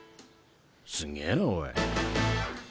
すげえなおい。